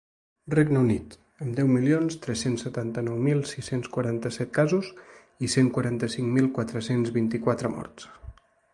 Regne Unit, amb deu milions tres-cents setanta-nou mil sis-cents quaranta-set casos i cent quaranta-cinc mil quatre-cents vint-i-quatre morts.